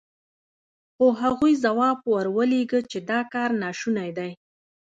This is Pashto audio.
خو هغوی ځواب ور ولېږه چې دا کار ناشونی دی.